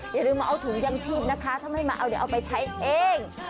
อย่าลืมมาเอาถุงยังชีพนะคะถ้าไม่มาเอาเดี๋ยวเอาไปใช้เอง